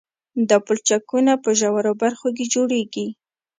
دا پلچکونه په ژورو برخو کې جوړیږي